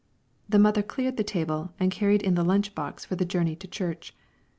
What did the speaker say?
The mother cleared the table, and carried in the lunch box for the journey to church.